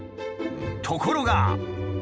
ところが。